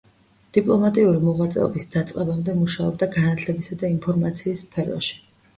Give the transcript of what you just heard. დიპლომატიური მოღვაწეობის დაწყებამდე მუშაობდა განათლებისა და ინფორმაციის სფეროში.